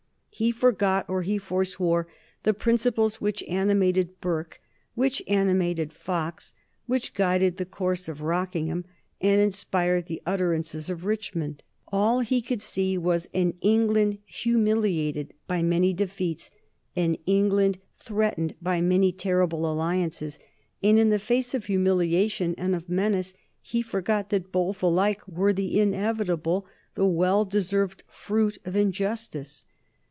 He forgot or he forswore the principles which animated Burke, which animated Fox, which guided the course of Rockingham and inspired the utterances of Richmond. All he could see was an England humiliated by many defeats, an England threatened by many terrible alliances, and in the face of humiliation and of menace he forgot that both alike were the inevitable, the well deserved fruit of injustice.